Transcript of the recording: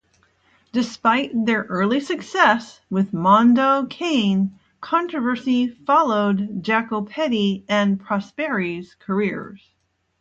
Despite their early success with "Mondo Cane", controversy followed Jacopetti and Prosperi's careers.